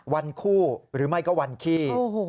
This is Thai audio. วันคู่หรือไม่ก็วันขี้